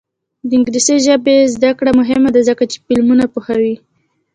د انګلیسي ژبې زده کړه مهمه ده ځکه چې فلمونه پوهوي.